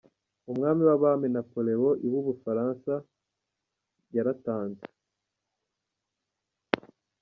Umwami w’abami Napoleon I w’ubufaransa, yaratanze.